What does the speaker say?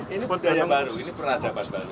ini budaya baru ini peradaban baru